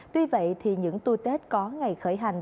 tuy vậy những tu tết có ngày khởi hành